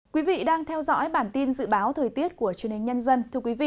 quý vị đang theo dõi bản tin dự báo thời tiết của truyền hình nhân dân